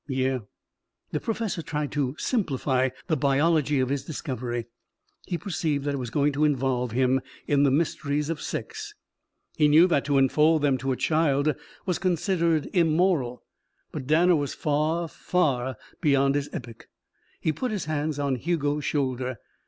"Yeah." The professor tried to simplify the biology of his discovery. He perceived that it was going to involve him in the mysteries of sex. He knew that to unfold them to a child was considered immoral. But Danner was far, far beyond his epoch. He put his hand on Hugo's shoulder.